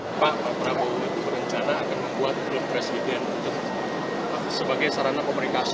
pak prabowo berencana akan membuat klub presiden sebagai sarana pemerikasi